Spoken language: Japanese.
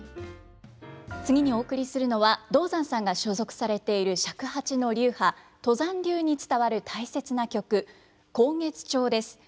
次にお送りするのは道山さんが所属されている尺八の流派都山流に伝わる大切な曲「慷月調」です。